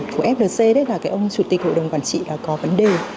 của flc ông chủ tịch hội đồng quản trị có vấn đề